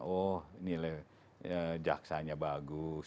oh nilai jaksanya bagus